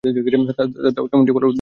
তাহলে এমনটি বলার উদ্দেশ্য কী?